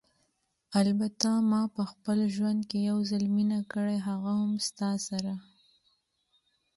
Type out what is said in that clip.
البته ما په خپل ژوند کې یو ځل مینه کړې، هغه هم ستا سره.